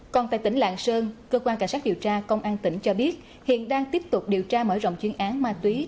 còn tại tỉnh lạng sơn cơ quan cảnh sát điều tra công an tỉnh cho biết hiện đang tiếp tục điều tra mở rộng chuyên án ma túy